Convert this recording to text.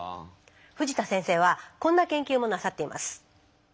藤田先生はこんな研究もなさっています。